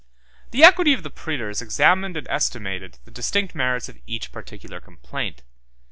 170 The equity of the praetors examined and estimated the distinct merits of each particular complaint.